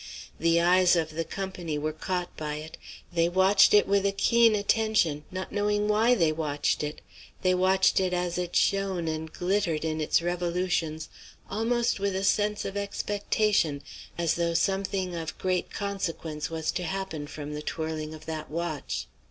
The eyes of the company were caught by it; they watched it with a keen attention, not knowing why they watched it; they watched it as it shone and glittered in its revolutions, almost with a sense of expectation, as though something of great consequence was to happen from the twirling of that watch.